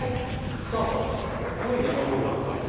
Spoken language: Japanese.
スタートはこれ、今夜の午後６時です。